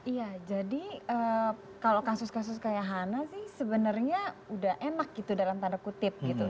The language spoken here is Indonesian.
iya jadi kalau kasus kasus kayak hana sih sebenarnya udah enak gitu dalam tanda kutip gitu